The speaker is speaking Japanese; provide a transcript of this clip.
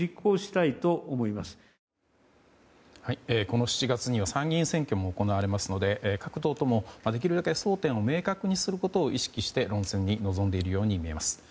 この７月には参議院選挙も行われますので各党ともできるだけ争点を明確にすることを意識して論戦に臨んでいるように思えます。